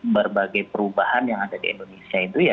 berbagai perubahan yang ada di indonesia itu ya